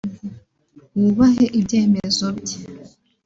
wubahe ibyemezo bye